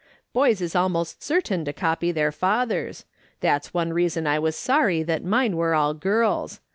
Boys is almost certain to copy their fathers ; that's one reason I was sorry that mine were all girls.